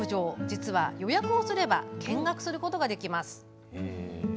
実は、予約をすれば見学することができます。